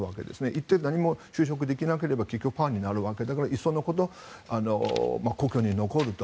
行って、就職できなければ結局、パーになるわけだからいっそのこと故郷に残ると。